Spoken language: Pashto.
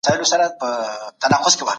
په هیواد کي د توکو تولید زیات کړای سو.